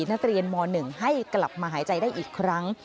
นักเรียนม๑ให้กลับมาหายใจได้อีกครั้ง